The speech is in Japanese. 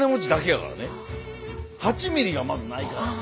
８ミリがまずないから。